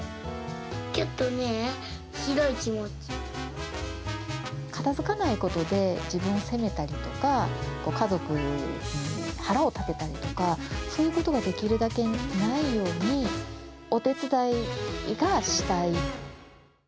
ちょっとね、広い気持ち。片づかないことで、自分を責めたりとか、家族に腹を立てたりとか、そういうことができるだけないように、お手伝いがしたい。